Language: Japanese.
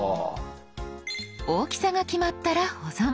大きさが決まったら保存。